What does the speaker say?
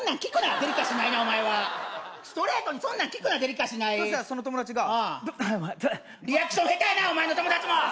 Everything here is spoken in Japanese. デリカシーないなお前はストレートにそんなん聞くなデリカシーないその友達がリアクションヘタやなお前の友達も！